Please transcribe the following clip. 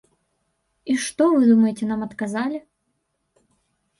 І што вы думаеце нам адказалі?